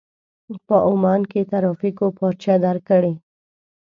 په عمان کې ترافيکو پارچه درکړې.